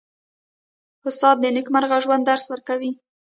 استاد د نېکمرغه ژوند درس ورکوي.